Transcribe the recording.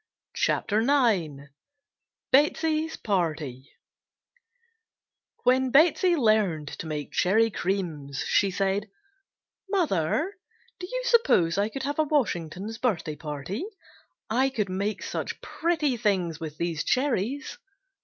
CHAPTER IX BETSEY'S PARTY WHEN Betsey learned to make Cherry Creams (on page 94) she said, "Mother, do you suppose I could have a Washington's Birthday Party? I could make such pretty things with these cherries."